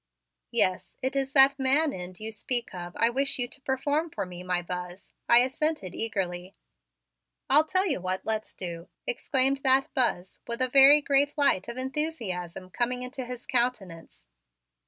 "Yes, it is that man end you speak of I wish you to perform for me, my Buzz," I assented eagerly. "I'll tell you what let's do," exclaimed that Buzz with a very great light of enthusiasm coming into his countenance.